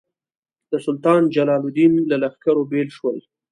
د سلطان جلال الدین له لښکرو بېل شول.